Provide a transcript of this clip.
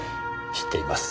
知っています。